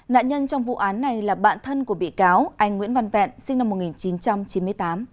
nạn nhân trong vụ án này là bạn thân của bị cáo anh nguyễn văn vẹn sinh năm một nghìn chín trăm chín mươi tám